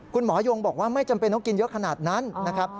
ยงบอกว่าไม่จำเป็นต้องกินเยอะขนาดนั้นนะครับ